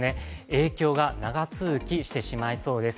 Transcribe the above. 影響が長続きしてしまいそうです